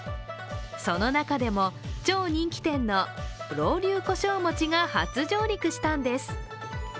その中でも超人気店の老劉胡椒餅が初上陸したんです。